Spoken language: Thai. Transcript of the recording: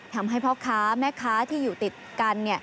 ทำให้พ่อค้าแม่ค้าที่อยู่ติดกัน